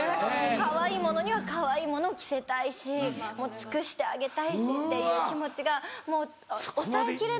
かわいいものにはかわいいもの着せたいし尽くしてあげたいしっていう気持ちがもう抑えきれなくて。